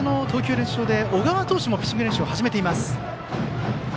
練習場で小川投手もピッチング練習を始めています。